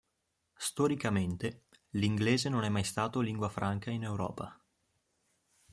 Storicamente, l'inglese non è mai stato lingua franca in Europa.